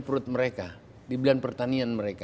perut mereka di blind pertanian mereka